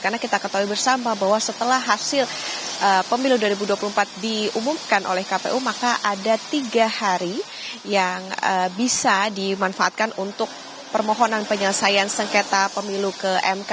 karena kita ketahui bersama bahwa setelah hasil pemilu dua ribu dua puluh empat diumumkan oleh kpu maka ada tiga hari yang bisa dimanfaatkan untuk permohonan penyelesaian sengketa pemilu ke mk